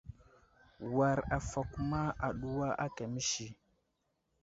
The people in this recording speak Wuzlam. War afakuma aɗuwa aka məsi.